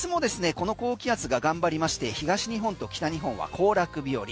この高気圧が頑張りまして東日本と北日本は行楽日和。